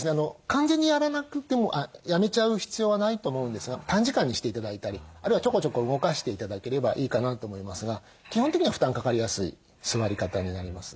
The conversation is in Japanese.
完全にやめちゃう必要はないと思うんですが短時間にして頂いたりあるいはちょこちょこ動かして頂ければいいかなと思いますが基本的には負担かかりやすい座り方になります。